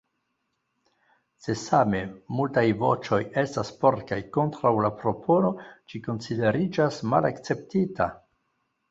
Se same multaj voĉoj estas por kaj kontraŭ la propono, ĝi konsideriĝas malakceptita.